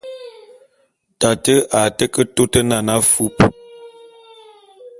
Tate a té ke tôt nane afúp.